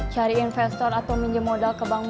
cari investor atau minjem modal ke bank